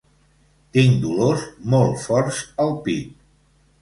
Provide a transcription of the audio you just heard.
Tinc dolors molt forts al pit.